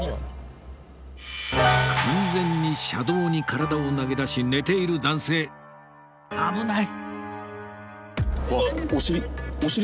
完全に車道に体を投げ出し寝ている男性危ない！